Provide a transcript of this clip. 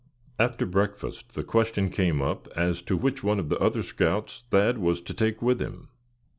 After breakfast the question came up as to which one of the other scouts Thad was to take with him.